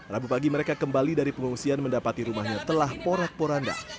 rabu pagi mereka kembali dari pengungsian mendapati rumahnya telah porak poranda